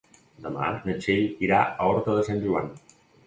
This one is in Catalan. Demà na Txell irà a Horta de Sant Joan.